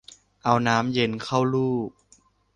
เอาน้ำเย็นเข้าลูบ